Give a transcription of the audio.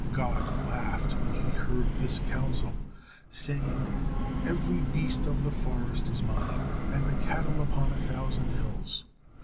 God laughed when he heard this counsel, saying: "Every beast of the forest is Mine, and the cattle upon a thousand hills.